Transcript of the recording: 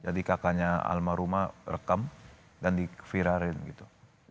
jadi kakaknya alma rumah rekam dan diviralin gitu